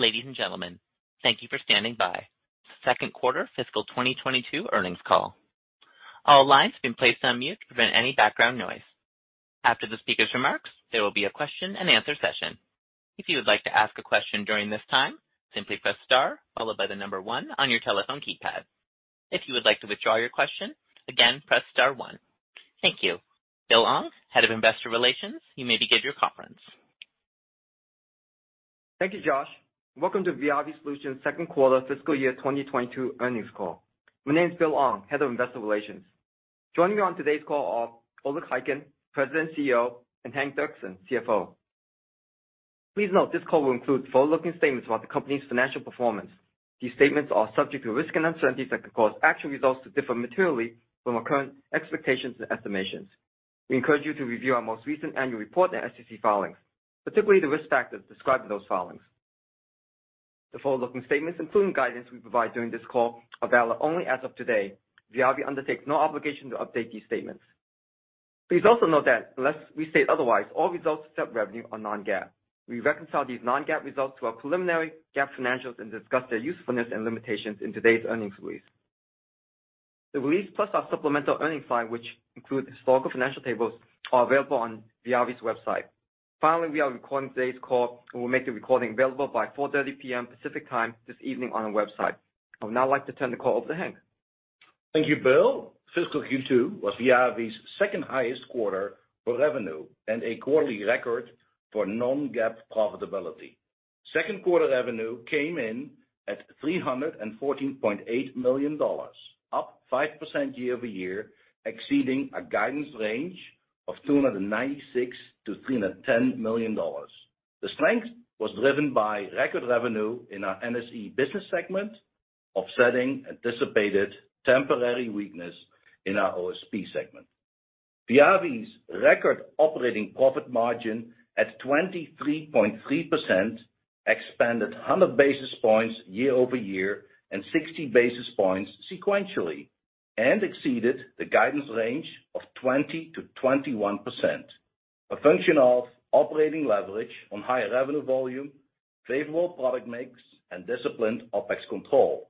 Ladies and gentlemen, thank you for standing by. Q2 fiscal 2022 earnings call. All lines have been placed on mute to prevent any background noise. After the speaker's remarks, there will be a question and answer session. If you would like to ask a question during this time, simply press star followed by the number one on your telephone keypad. If you would like to withdraw your question, again, press star one. Thank you. Bill Ong, Head of Investor Relations, you may begin your conference. Thank you, Josh. Welcome to Viavi Solutions Q2 fiscal year 2022 earnings call. My name is Bill Ong, Head of Investor Relations. Joining me on today's call are Oleg Khaykin, President and CEO, and Henk Derksen, CFO. Please note this call will include forward-looking statements about the company's financial performance. These statements are subject to risks and uncertainties that could cause actual results to differ materially from our current expectations and estimations. We encourage you to review our most recent annual report and SEC filings, particularly the risk factors described in those filings. The forward-looking statements and interim guidance we provide during this call are valid only as of today. Viavi undertakes no obligation to update these statements. Please also note that unless we state otherwise, all results except revenue are non-GAAP. We reconcile these non-GAAP results to our preliminary GAAP financials and discuss their usefulness and limitations in today's earnings release. The release, plus our supplemental earnings file, which includes historical financial tables, are available on Viavi's website. Finally, we are recording today's call and we'll make the recording available by 4:30 P.M. Pacific Time this evening on our website. I would now like to turn the call over to Henk. Thank you, Bill. Fiscal Q2 was Viavi's second highest quarter for revenue and a quarterly record for non-GAAP profitability. Second quarter revenue came in at $314.8 million, up 5% year-over-year, exceeding our guidance range of $296 million-$310 million. The strength was driven by record revenue in our NSE business segment, offsetting anticipated temporary weakness in our OSP segment. Viavi's record operating profit margin at 23.3% expanded 100 basis points year-over-year and 60 basis points sequentially, and exceeded the guidance range of 20%-21%, a function of operating leverage on higher revenue volume, favorable product mix, and disciplined OpEx control.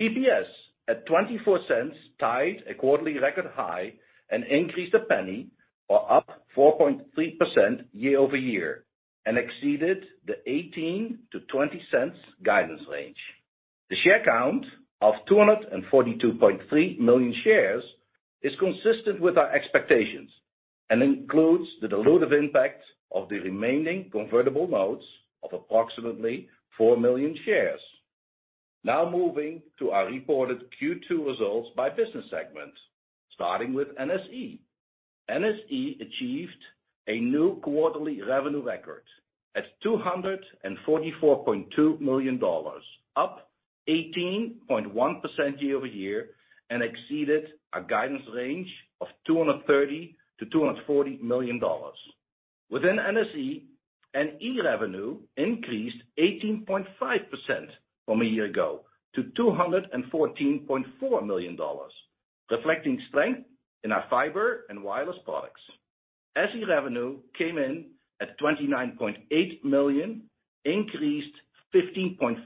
EPS at $0.24 tied a quarterly record high and increased $0.01 or up 4.3% year-over-year and exceeded the $0.18-$0.20 guidance range. The share count of 242.3 million shares is consistent with our expectations and includes the dilutive impact of the remaining convertible notes of approximately 4 million shares. Now moving to our reported Q2 results by business segment, starting with NSE. NSE achieved a new quarterly revenue record at $244.2 million, up 18.1% year-over-year and exceeded our guidance range of $230 million-$240 million. Within NSE, NE revenue increased 18.5% from a year ago to $214.4 million, reflecting strength in our fiber and wireless products. SE revenue came in at $29.8 million, increased 15.5%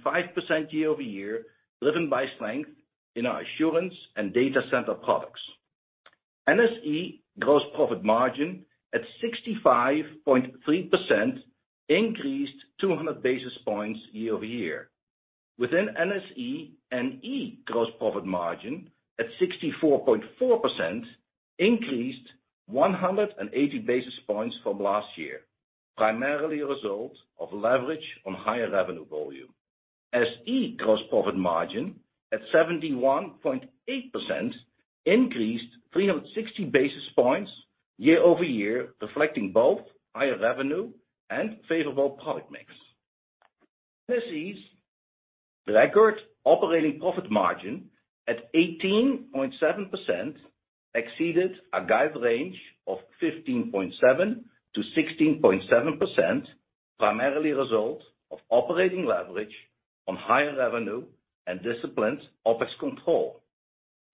year-over-year, driven by strength in our assurance and data center products. NSE gross profit margin at 65.3% increased 200 basis points year-over-year. Within NSE, NE gross profit margin at 64.4% increased 180 basis points from last year, primarily a result of leverage on higher revenue volume. SE gross profit margin at 71.8% increased 360 basis points year-over-year, reflecting both higher revenue and favorable product mix. NSE's record operating profit margin at 18.7% exceeded our guide range of 15.7%-16.7%, primarily a result of operating leverage on higher revenue and disciplined OpEx control.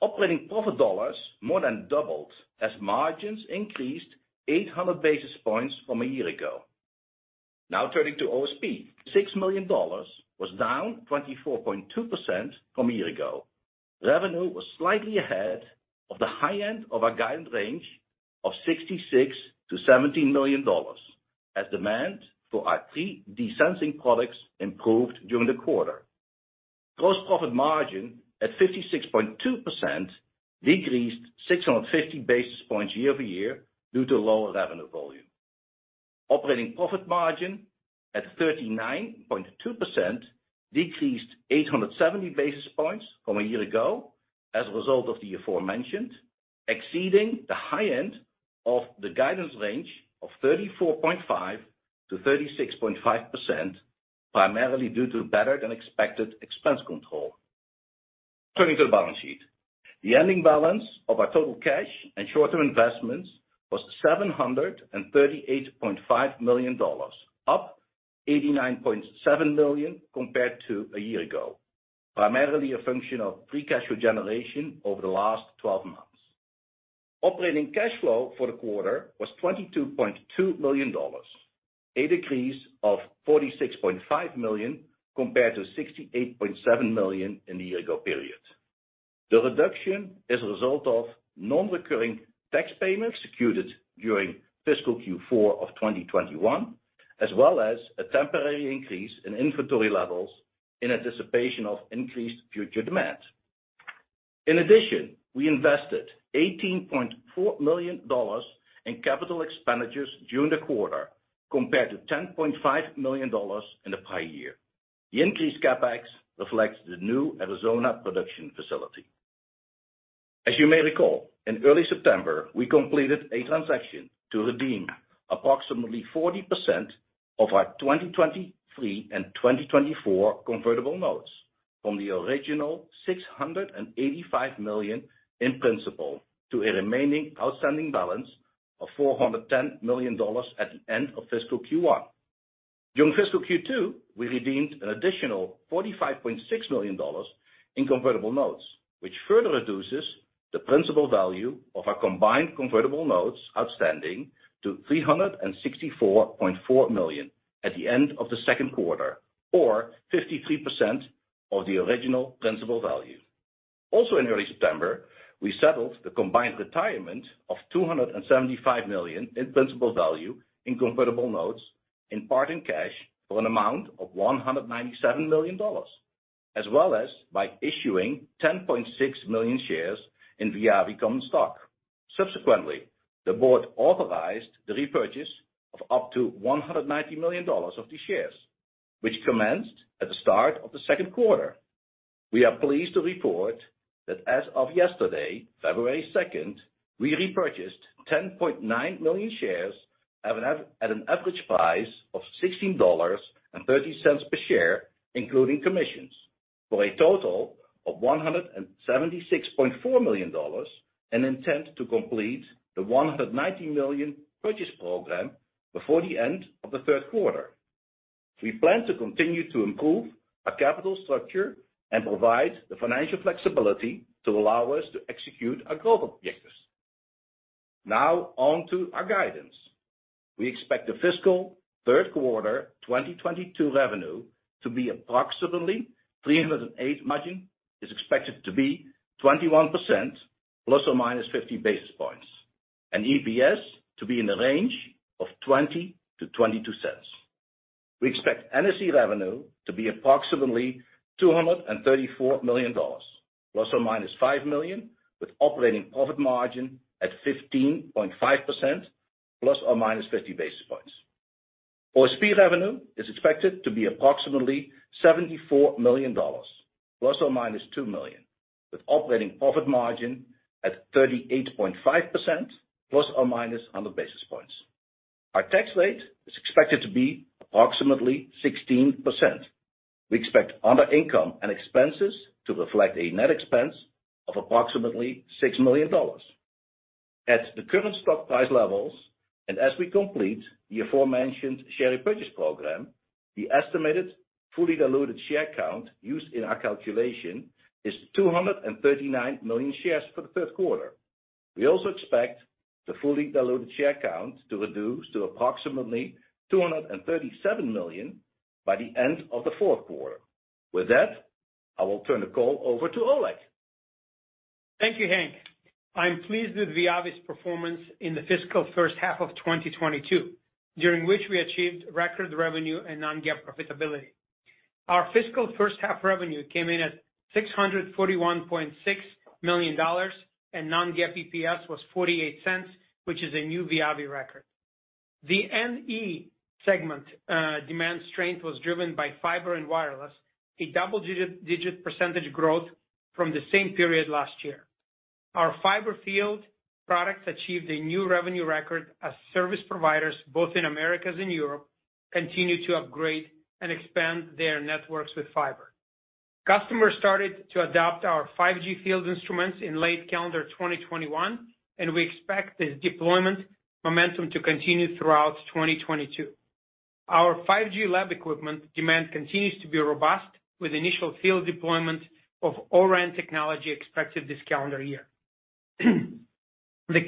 Operating profit dollars more than doubled as margins increased 800 basis points from a year ago. Now turning to OSP. $6 million was down 24.2% from a year ago. Revenue was slightly ahead of the high end of our guidance range of $66 million-$70 million as demand for our 3D sensing products improved during the quarter. Gross profit margin at 56.2% decreased 650 basis points year-over-year due to lower revenue volume. Operating profit margin at 39.2% decreased 870 basis points from a year ago as a result of the aforementioned, exceeding the high end of the guidance range of 34.5%-36.5%, primarily due to better than expected expense control. Turning to the balance sheet. The ending balance of our total cash and short-term investments was $738.5 million, up $89.7 million compared to a year ago, primarily a function of free cash flow generation over the last 12 months. Operating cash flow for the quarter was $22.2 million, a decrease of $46.5 million compared to $68.7 million in the year ago period. The reduction is a result of non-recurring tax payments executed during fiscal Q4 of 2021, as well as a temporary increase in inventory levels in anticipation of increased future demand. In addition, we invested $18.4 million in capital expenditures during the quarter compared to $10.5 million in the prior year. The increased CapEx reflects the new Arizona production facility. As you may recall, in early September, we completed a transaction to redeem approximately 40% of our 2023 and 2024 convertible notes from the original $685 million in principal to a remaining outstanding balance of $410 million at the end of fiscal Q1. During fiscal Q2, we redeemed an additional $45.6 million in convertible notes, which further reduces the principal value of our combined convertible notes outstanding to $364.4 million at the end of the Q2, or 53% of the original principal value. Also in early September, we settled the combined retirement of $275 million in principal value in convertible notes, in part in cash for an amount of $197 million, as well as by issuing 10.6 million shares in Viavi common stock. Subsequently, the board authorized the repurchase of up to $190 million of these shares, which commenced at the start of the Q2. We are pleased to report that as of yesterday, February second, we repurchased 10.9 million shares at an average price of $16.30 per share, including commissions, for a total of $176.4 million, and intend to complete the $190 million purchase program before the end of the third quarter. We plan to continue to improve our capital structure and provide the financial flexibility to allow us to execute our growth objectives. Now on to our guidance. We expect the fiscal third quarter 2022 revenue to be approximately $308 million. Margin is expected to be 21% ±50 basis points, and EPS to be in the range of $0.20-$0.22. We expect NSE revenue to be approximately $234 million ±$5 million, with operating profit margin at 15.5% ±50 basis points. OSP revenue is expected to be approximately $74 million ±$2 million, with operating profit margin at 38.5% ±100 basis points. Our tax rate is expected to be approximately 16%. We expect other income and expenses to reflect a net expense of approximately $6 million. At the current stock price levels, and as we complete the aforementioned share repurchase program, the estimated fully diluted share count used in our calculation is 239 million shares for the Q3. We also expect the fully diluted share count to reduce to approximately 237 million by the end of the Q4. With that, I will turn the call over to Oleg. Thank you, Henk. I'm pleased with Viavi's performance in the fiscal first half of 2022, during which we achieved record revenue and non-GAAP profitability. Our fiscal first half revenue came in at $641.6 million, and non-GAAP EPS was $0.48, which is a new Viavi record. The NE segment demand strength was driven by fiber and wireless, double-digit percentage growth from the same period last year. Our fiber field products achieved a new revenue record as service providers, both in Americas and Europe, continued to upgrade and expand their networks with fiber. Customers started to adopt our 5G field instruments in late calendar 2021, and we expect this deployment momentum to continue throughout 2022. Our 5G lab equipment demand continues to be robust with initial field deployment of O-RAN technology expected this calendar year. The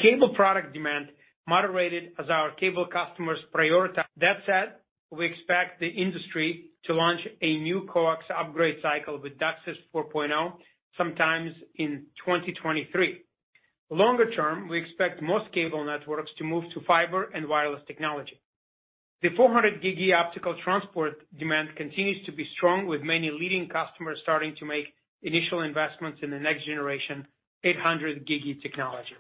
cable product demand moderated as our cable customers prioritize. That said, we expect the industry to launch a new coax upgrade cycle with DOCSIS 4.0 sometime in 2023. Longer term, we expect most cable networks to move to fiber and wireless technology. The 400GbE optical transport demand continues to be strong with many leading customers starting to make initial investments in the next generation 800GbE technology.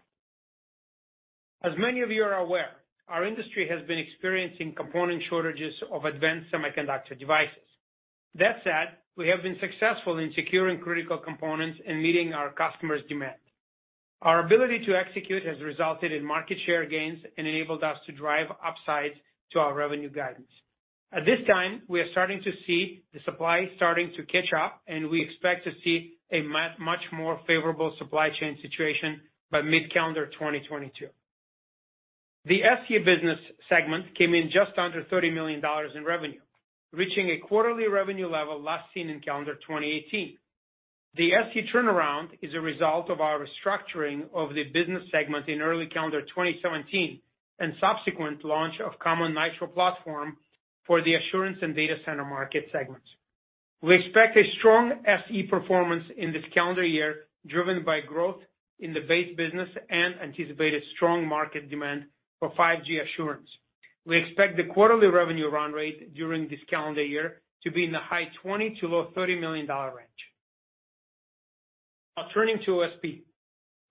As many of you are aware, our industry has been experiencing component shortages of advanced semiconductor devices. That said, we have been successful in securing critical components and meeting our customers' demand. Our ability to execute has resulted in market share gains and enabled us to drive upsides to our revenue guidance. At this time, we are starting to see the supply starting to catch up, and we expect to see a much, much more favorable supply chain situation by mid-calendar 2022. The SE business segment came in just under $30 million in revenue, reaching a quarterly revenue level last seen in calendar 2018. The SE turnaround is a result of our restructuring of the business segment in early calendar 2017 and subsequent launch of common Nitro platform for the assurance and data center market segments. We expect a strong SE performance in this calendar year, driven by growth in the base business and anticipated strong market demand for 5G assurance. We expect the quarterly revenue run rate during this calendar year to be in the $20 million-$30 million range. Now turning to OSP.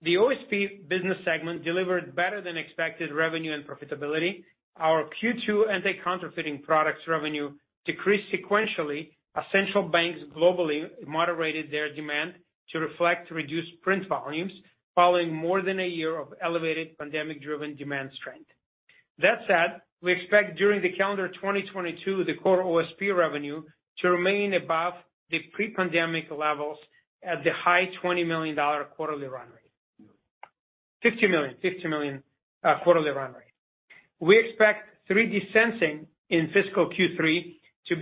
The OSP business segment delivered better than expected revenue and profitability. Our Q2 anti-counterfeiting products revenue decreased sequentially. Essential banks globally moderated their demand to reflect reduced print volumes following more than a year of elevated pandemic-driven demand strength. That said, we expect during the calendar 2022, the core OSP revenue to remain above the pre-pandemic levels at the high $20 million quarterly run rate. $50 million quarterly run rate. We expect 3D sensing in fiscal Q3 to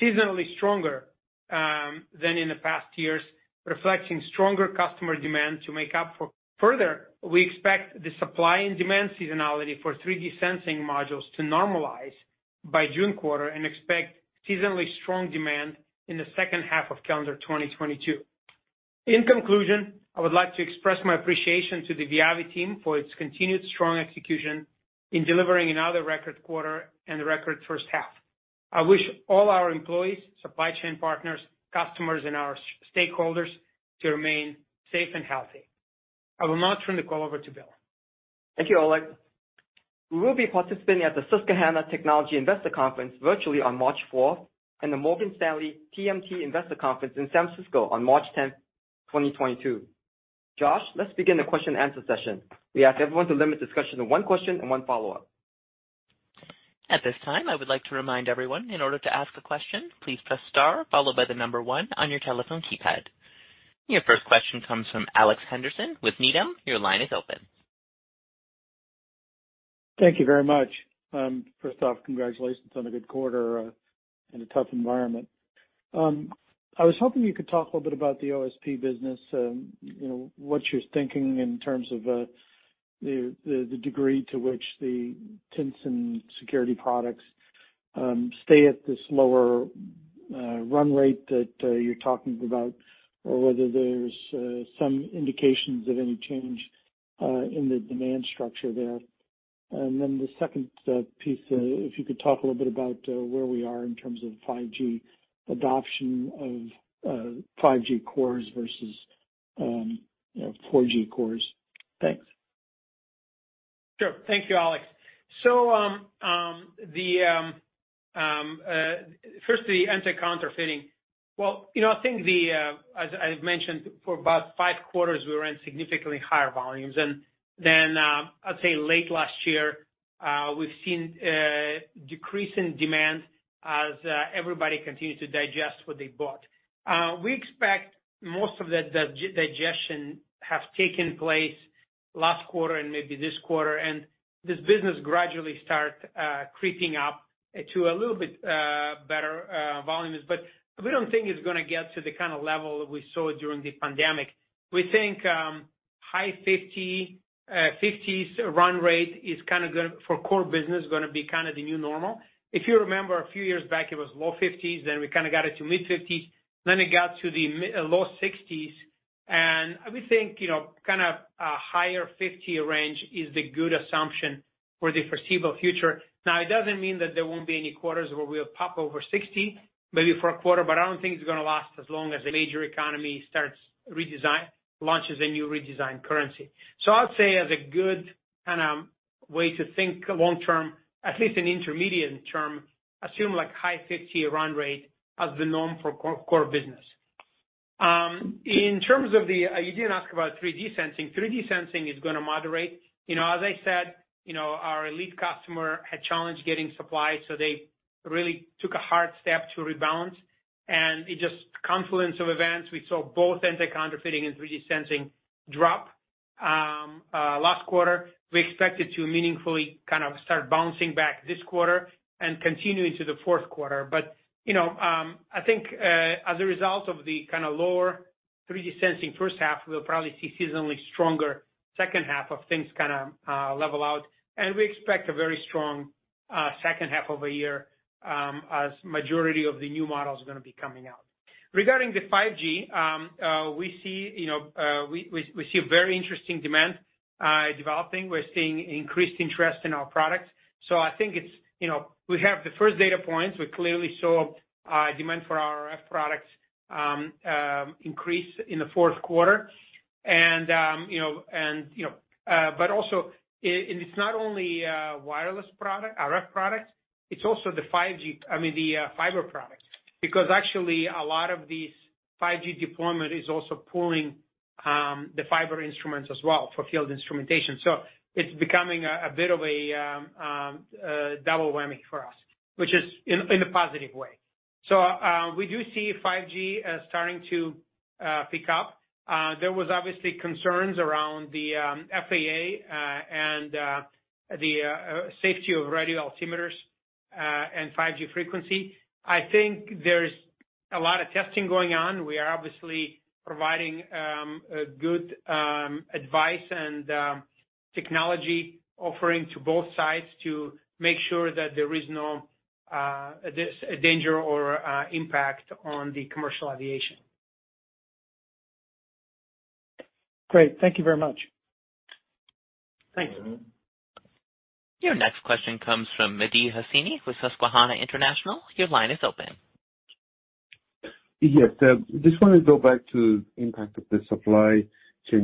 be seasonally stronger than in the past years, reflecting stronger customer demand to make up for. Further, we expect the supply and demand seasonality for 3D sensing modules to normalize by June quarter and expect seasonally strong demand in the second half of calendar 2022. In conclusion, I would like to express my appreciation to the Viavi team for its continued strong execution in delivering another record quarter and a record first half. I wish all our employees, supply chain partners, customers, and our stakeholders to remain safe and healthy. I will now turn the call over to Bill. Thank you, Oleg. We will be participating at the Susquehanna Technology Investor Conference virtually on March fourth, and the Morgan Stanley TMT Investor Conference in San Francisco on March tenth, 2022. Josh, let's begin the question and answer session. We ask everyone to limit discussion to one question and one follow-up. At this time, I would like to remind everyone, in order to ask a question, please press star followed by the number 1 on your telephone keypad. Your first question comes from Alex Henderson with Needham. Your line is open. Thank you very much. First off, congratulations on a good quarter in a tough environment. I was hoping you could talk a little bit about the OSP business. You know, what you're thinking in terms of the degree to which the anti-counterfeiting security products stay at this lower run rate that you're talking about or whether there's some indications of any change in the demand structure there. The second piece, if you could talk a little bit about where we are in terms of 5G adoption of 5G cores versus you know 4G cores. Thanks. Sure. Thank you, Alex. First the anti-counterfeiting. Well, you know, I think as I've mentioned before, about five quarters we were in significantly higher volumes. I'd say late last year, we've seen a decrease in demand as everybody continued to digest what they bought. We expect most of the digestion has taken place last quarter and maybe this quarter and this business gradually start creeping up to a little bit better volumes. We don't think it's gonna get to the kinda level we saw during the pandemic. We think high fifties run rate is kinda for core business gonna be kinda the new normal. If you remember a few years back, it was low 50s%, then we kinda got it to mid-50s%, then it got to the mid-to-low 60s%. We think, you know, kinda a higher 50% range is the good assumption for the foreseeable future. Now, it doesn't mean that there won't be any quarters where we'll pop over 60%, maybe for a quarter, but I don't think it's gonna last as long as a major economy starts redesign launches a new redesigned currency. I would say as a good kinda way to think long term, at least in intermediate term, assume like high 50% run rate as the norm for core business. You didn't ask about 3D sensing. 3D sensing is gonna moderate. You know, as I said, you know, our lead customer had challenges getting supply, so they really took a hard step to rebalance. It was just a confluence of events, we saw both anti-counterfeiting and 3D sensing drop last quarter. We expect it to meaningfully kind of start bouncing back this quarter and continue into the Q4. You know, I think, as a result of the kind of lower 3D sensing H1, we'll probably see seasonally stronger second half of things kind of level out. We expect a very strong H2 of the year, as the majority of the new models are gonna be coming out. Regarding the 5G, we see, you know, a very interesting demand developing. We're seeing increased interest in our products. I think it's, you know, we have the first data points. We clearly saw demand for our RF products increase in the Q4. But also, it's not only wireless product, RF products, it's also the 5G, I mean, the fiber products. Because actually a lot of these 5G deployment is also pulling the fiber instruments as well for field instrumentation. It's becoming a bit of a double whammy for us, which is in a positive way. We do see 5G starting to pick up. There was obviously concerns around the FAA and the safety of radio altimeters and 5G frequency. I think there's a lot of testing going on. We are obviously providing a good advice and technology offering to both sides to make sure that there is no danger or impact on the commercial aviation. Great. Thank you very much. Thanks. Your next question comes from Mehdi Hosseini with Susquehanna International. Your line is open. Yes. Just wanna go back to impact of the supply chain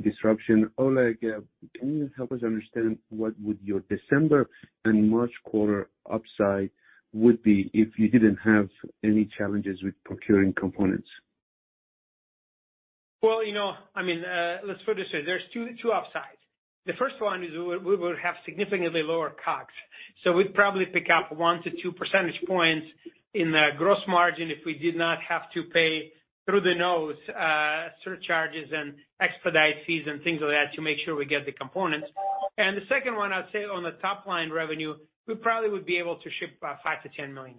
disruption. Oleg, can you help us understand what would your December and March quarter upside would be if you didn't have any challenges with procuring components? Well, you know, I mean, let's put it this way. There's two upsides. The first one is we would have significantly lower costs. We'd probably pick up 1-2 percentage points in the gross margin if we did not have to pay through the nose, surcharges and expedite fees and things like that to make sure we get the components. The second one, I'd say on the top line revenue, we probably would be able to ship $5 million-$10 million.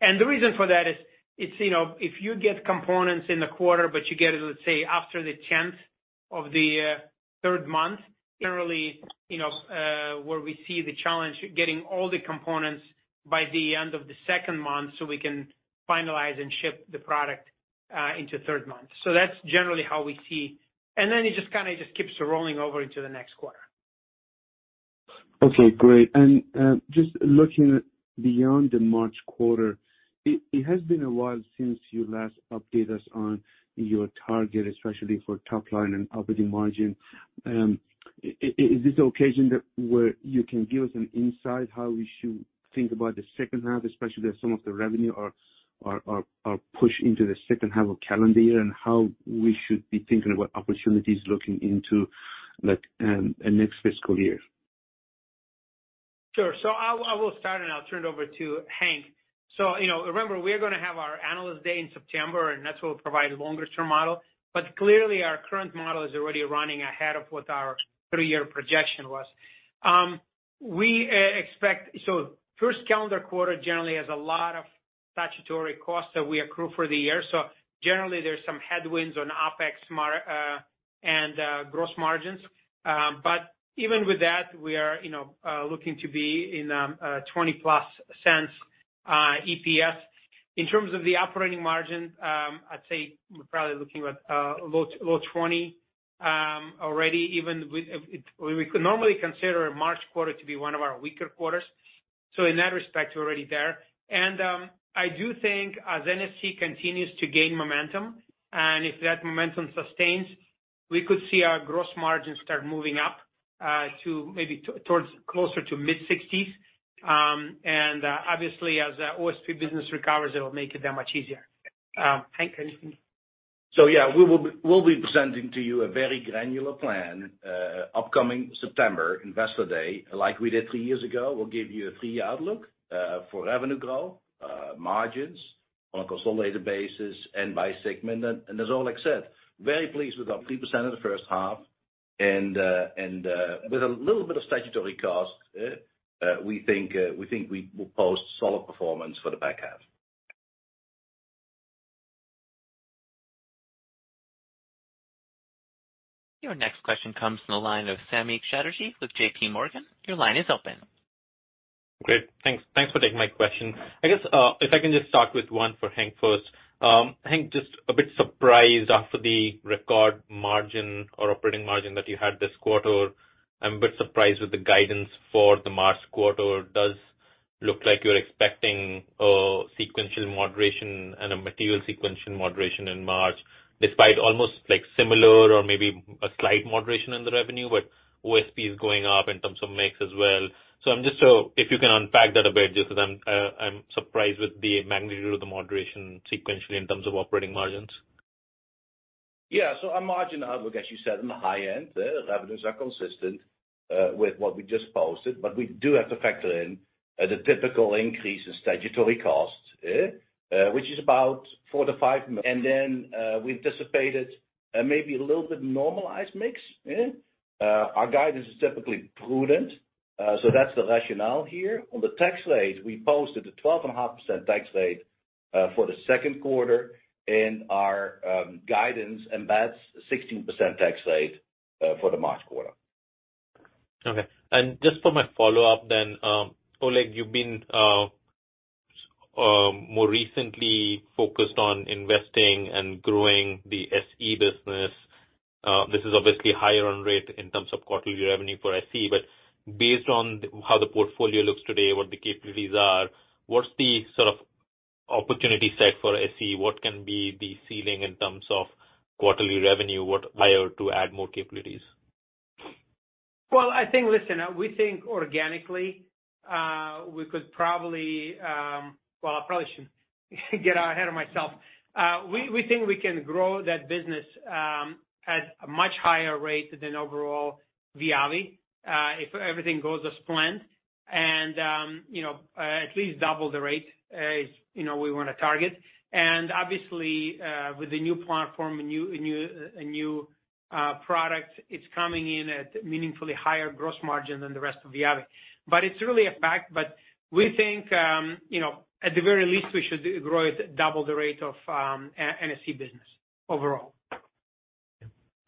The reason for that is, it's, you know, if you get components in the quarter, but you get it, let's say, after the tenth of the third month, generally, you know, where we see the challenge getting all the components by the end of the second month, so we can finalize and ship the product into third month. That's generally how we see it. Then it just kinda keeps rolling over into the next quarter. Okay, great. Just looking beyond the March quarter, it has been a while since you last updated us on your target, especially for top line and operating margin. Is this occasion where you can give us an insight how we should think about the second half, especially as some of the revenue are pushed into the H2 of calendar year, and how we should be thinking about opportunities looking into, like, a next fiscal year? Sure. I will start, and I'll turn it over to Henk. You know, remember, we're gonna have our analyst day in September, and that's where we'll provide a longer-term model. Clearly, our current model is already running ahead of what our 3-year projection was. We expect the first calendar quarter generally has a lot of statutory costs that we accrue for the year. Generally, there's some headwinds on OpEx and gross margins. Even with that, we are you know looking to be in a $0.20+ EPS. In terms of the operating margin, I'd say we're probably looking at low 20% already, even with what we could normally consider a March quarter to be one of our weaker quarters. In that respect, we're already there. I do think as NSE continues to gain momentum, and if that momentum sustains, we could see our gross margins start moving up to maybe towards closer to mid-60s%. Obviously, as the OSP business recovers, it'll make it that much easier. Henk, anything? We'll be presenting to you a very granular plan, upcoming September Investor Day, like we did three years ago. We'll give you a three-year outlook for revenue growth, margins on a consolidated basis and by segment. As Oleg said, very pleased with our 3% in the first half. With a little bit of statutory costs, we think we will post solid performance for the back half. Your next question comes from the line of Samik Chatterjee with JP Morgan. Your line is open. Great. Thanks for taking my question. I guess, if I can just start with one for Henk first. Henk, just a bit surprised after the record margin or operating margin that you had this quarter. I'm a bit surprised with the guidance for the March quarter. It does look like you're expecting a sequential moderation and a material sequential moderation in March, despite almost like similar or maybe a slight moderation in the revenue, but OSP is going up in terms of mix as well. If you can unpack that a bit, just 'cause I'm surprised with the magnitude of the moderation sequentially in terms of operating margins. Yeah. Our margin are, like as you said, on the high end. The revenues are consistent with what we just posted. We do have to factor in the typical increase in statutory costs, which is about $4 million-$5 million. We anticipated maybe a little bit normalized mix. Our guidance is typically prudent, so that's the rationale here. On the tax rate, we posted a 12.5% tax rate for the second quarter in our guidance, and that's 16% tax rate for the March quarter. Okay. Just for my follow-up then, Oleg, you've been more recently focused on investing and growing the SE business. This is obviously higher run rate in terms of quarterly revenue for SE, but based on how the portfolio looks today, what the capabilities are, what's the sort of opportunity set for SE? What can be the ceiling in terms of quarterly revenue? Why ought to add more capabilities? Well, I probably shouldn't get ahead of myself. We think we can grow that business at a much higher rate than overall Viavi if everything goes as planned. You know, at least double the rate as you know we wanna target. Obviously, with the new platform, a new product, it's coming in at meaningfully higher gross margin than the rest of Viavi. It's really a fact, but we think you know at the very least we should grow at double the rate of NSE business overall.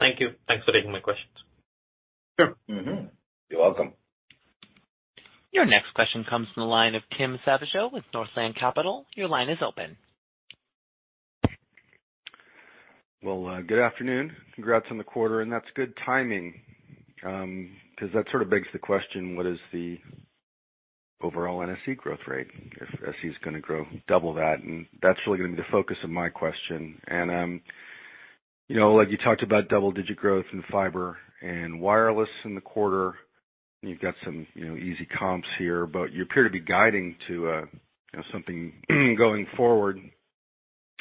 Thank you. Thanks for taking my questions. Sure. You're welcome. Your next question comes from the line of Tim Savageaux with Northland Capital. Your line is open. Well, good afternoon. Congrats on the quarter, and that's good timing, 'cause that sort of begs the question, what is the overall NSE growth rate if SE is gonna grow double that? That's really gonna be the focus of my question. You know, like you talked about double-digit growth in fiber and wireless in the quarter. You've got some, you know, easy comps here, but you appear to be guiding to, you know, something going forward.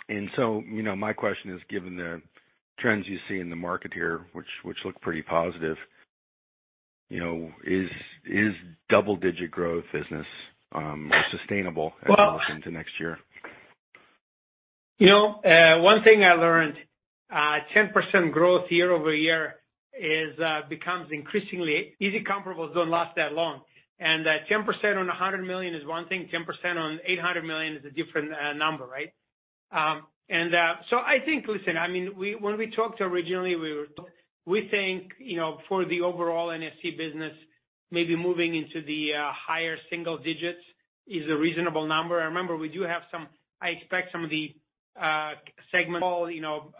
You know, my question is, given the trends you see in the market here, which look pretty positive, you know, is double-digit growth business sustainable? Well- as we look into next year? You know, one thing I learned, 10% growth year-over-year becomes increasingly easy. Comparables don't last that long. 10% on $100 million is one thing, 10% on $800 million is a different number, right? I think. Listen, I mean, when we talked originally, we think, you know, for the overall NSE business, maybe moving into the higher single digits is a reasonable number. Remember, I expect some of the segment, you know,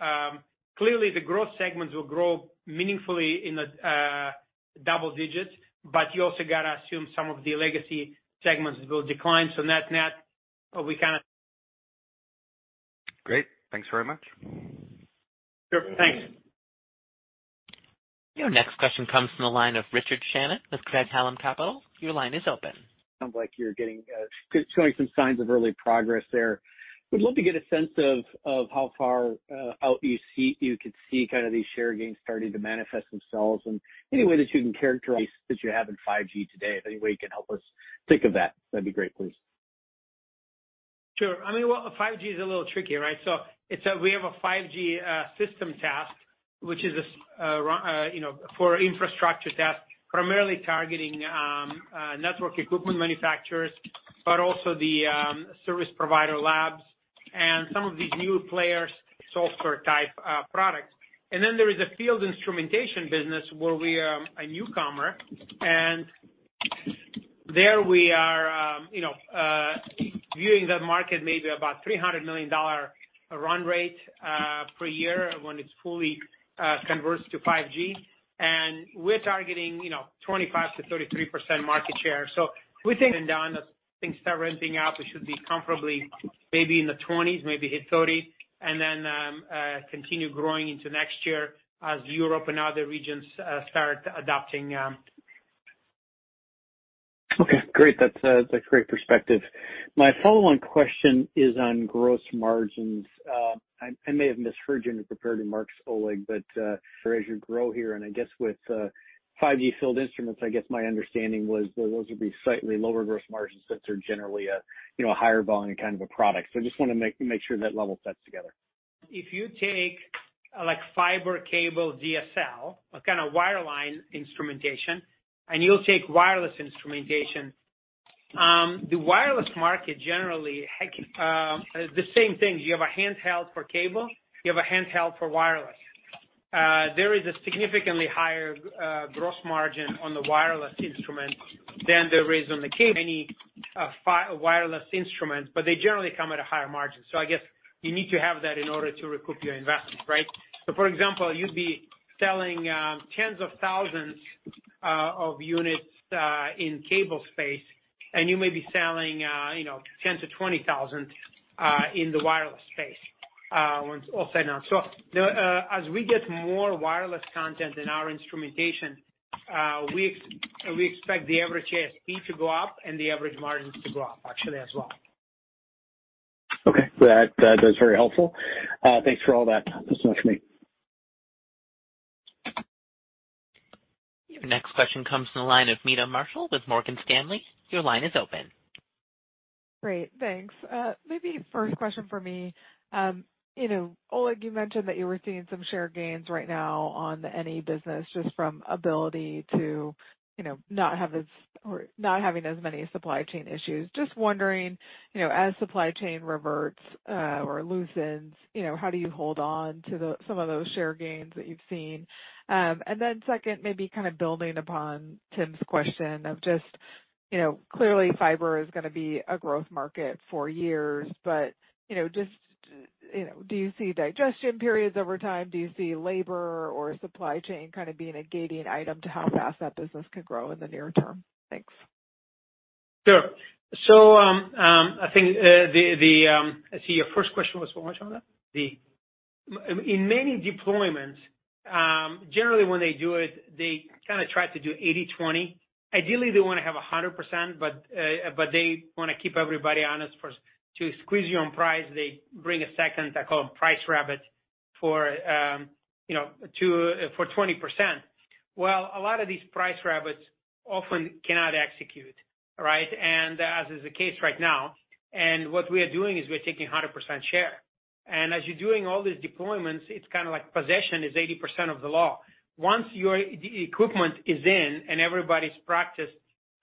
clearly the growth segments will grow meaningfully in the double digits, but you also gotta assume some of the legacy segments will decline. Net-net, we kinda- Great. Thanks very much. Sure. Thanks. Your next question comes from the line of Richard Shannon with Craig-Hallum Capital. Your line is open. Sounds like you're getting, showing some signs of early progress there. Would love to get a sense of how far out you could see kind of these share gains starting to manifest themselves. Any way that you can characterize that you have in 5G today, if any way you can help us think of that'd be great, please. Sure. I mean, well, 5G is a little tricky, right? It's a. We have a 5G system test, which you know, for infrastructure test, primarily targeting network equipment manufacturers, but also the service provider labs and some of these new players, software-type products. There is a field instrumentation business where we are a newcomer, and there we are viewing that market maybe about $300 million run rate per year when it's fully converts to 5G. We're targeting 25%-33% market share. We think, and done, as things start ramping up, it should be comfortably maybe in the 20s, maybe hit 30, and then continue growing into next year as Europe and other regions start adopting. Okay, great. That's a great perspective. My follow-on question is on gross margins. I may have misheard you compared to margins overall, but as you grow here, and I guess with 5G field instruments, I guess my understanding was those would be slightly lower gross margins that are generally a you know a higher volume kind of a product. I just wanna make sure that level sets together. If you take like fiber, cable, DSL, a kind of wireline instrumentation, and you take wireless instrumentation, the wireless market generally has the same thing. You have a handheld for cable, you have a handheld for wireless. There is a significantly higher gross margin on the wireless instrument than there is on the cable instrument, but they generally come at a higher margin. I guess you need to have that in order to recoup your investment, right? For example, you'd be selling tens of thousands of units in cable space, and you may be selling, you know, 10,000-20,000 in the wireless space when all said and done. As we get more wireless content in our instrumentation, we expect the average ASP to go up and the average margins to go up actually as well. Okay. That is very helpful. Thanks for all that. That's all for me. Your next question comes from the line of Meta Marshall with Morgan Stanley. Your line is open. Great. Thanks. Maybe first question from me. You know, Oleg, you mentioned that you were seeing some share gains right now on the NE business just from ability to, you know, not have as, or not having as many supply chain issues. Just wondering, you know, as supply chain reverts, or loosens, you know, how do you hold on to some of those share gains that you've seen? And then second, maybe kind of building upon Tim's question of just, you know, clearly fiber is gonna be a growth market for years, but, you know, just, you know, do you see digestion periods over time? Do you see labor or supply chain kind of being a gating item to how fast that business could grow in the near term? Thanks. Sure. I think, let's see, your first question was what, Meta? In many deployments, generally when they do it, they kind of try to do 80/20. Ideally, they want to have 100%, but they want to keep everybody honest. First to squeeze you on price, they bring a second, I call them price rabbit for, you know, to for 20%. Well, a lot of these price rabbits often cannot execute, right? As is the case right now, what we are doing is we're taking 100% share. As you're doing all these deployments, it's kind of like possession is 80% of the law. Once your equipment is in and everybody's practiced,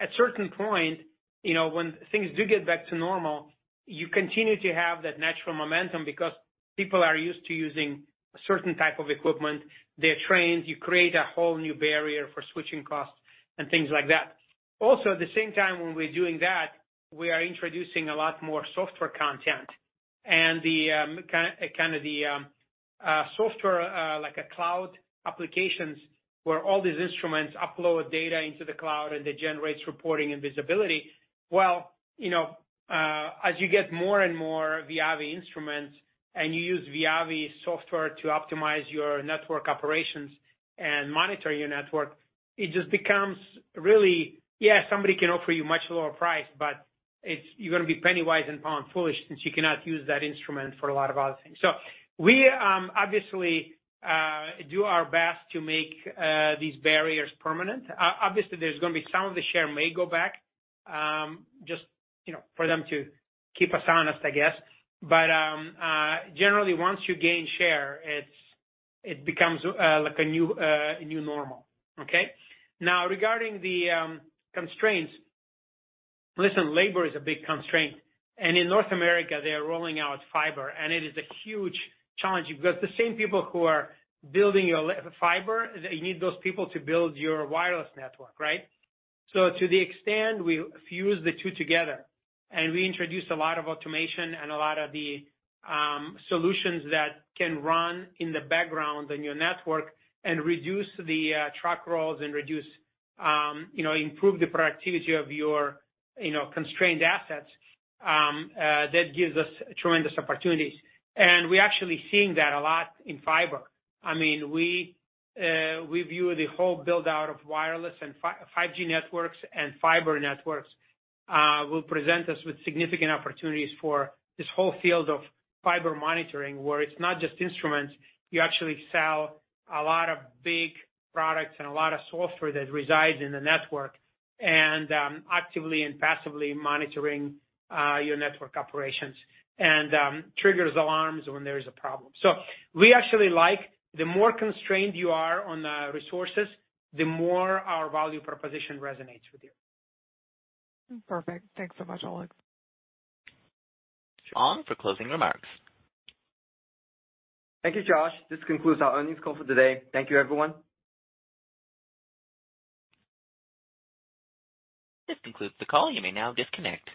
at certain point, you know, when things do get back to normal, you continue to have that natural momentum because people are used to using a certain type of equipment. They're trained. You create a whole new barrier for switching costs and things like that. Also, at the same time when we're doing that, we are introducing a lot more software content and the kind of the software like a cloud applications where all these instruments upload data into the cloud and it generates reporting and visibility. Well, you know, as you get more and more Viavi instruments and you use Viavi software to optimize your network operations and monitor your network, it just becomes really, somebody can offer you much lower price, but it's, you're gonna be penny wise and pound foolish, since you cannot use that instrument for a lot of other things. So we obviously do our best to make these barriers permanent. Obviously, there's gonna be some of the share may go back, just, you know, for them to keep us honest, I guess. But generally, once you gain share, it becomes like a new normal, okay. Now, regarding the constraints. Listen, labor is a big constraint, and in North America, they are rolling out fiber, and it is a huge challenge because the same people who are building your fiber, you need those people to build your wireless network, right? To the extent we fuse the two together and we introduce a lot of automation and a lot of the solutions that can run in the background on your network and reduce the truck rolls and reduce, you know, improve the productivity of your, you know, constrained assets, that gives us tremendous opportunities. We're actually seeing that a lot in fiber. I mean, we view the whole build out of wireless and 5G networks and fiber networks will present us with significant opportunities for this whole field of fiber monitoring, where it's not just instruments, you actually sell a lot of big products and a lot of software that resides in the network and actively and passively monitoring your network operations and triggers alarms when there is a problem. We actually like the more constrained you are on the resources, the more our value proposition resonates with you. Perfect. Thanks so much, Oleg. On for closing remarks. Thank you, Josh. This concludes our earnings call for today. Thank you, everyone. This concludes the call. You may now disconnect.